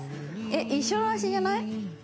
えっ一緒の足じゃない？